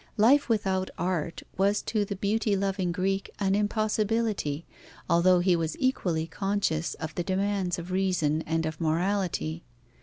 Life without art was to the beauty loving Greek an impossibility, although he was equally conscious of the demands of reason and of morality.